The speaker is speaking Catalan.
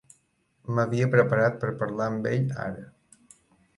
M'havia preparat per parlar amb ell ara.